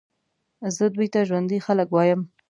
زه دوی ته ژوندي خلک وایم.